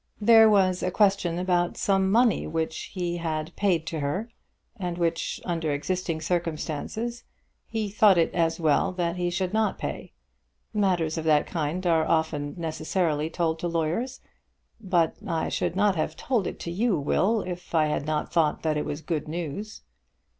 "There was a question about some money which he had paid to her, and which, under existing circumstances, he thought it as well that he should not pay. Matters of that kind are often necessarily told to lawyers. But I should not have told it to you, Will, if I had not thought that it was good news."